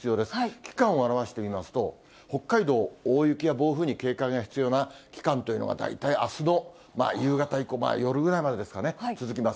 期間を表してみますと、北海道、大雪や暴風に警戒が必要な期間というのが、大体あすの夕方以降、夜ぐらいまでですかね、続きます。